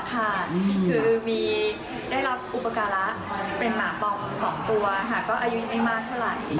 คือได้รับอุปการะเป็นหมาปองสองตัวค่ะก็อายุยังไม่มากเท่าไหร่